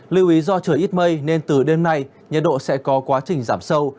lưu ý do trời ít mây nên từ đêm nay nhiệt độ sẽ có quá trình giảm sâu